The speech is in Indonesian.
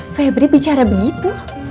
febri bicara begitu